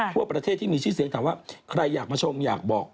ทั่วประเทศที่มีชื่อเสียงถามว่าใครอยากมาชมอยากบอก